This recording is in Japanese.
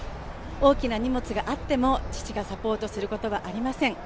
大きな荷物があっても父がサポートすることはありません。